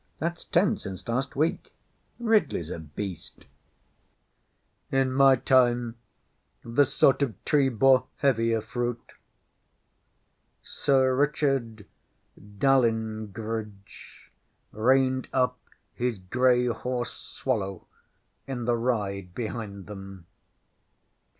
ThatŌĆÖs ten since last week. RidleyŌĆÖs a beast. ŌĆÖ ŌĆśIn my time this sort of tree bore heavier fruit. ŌĆÖ Sir Richard Dalyngridge reined up his grey horse, Swallow, in the ride behind them.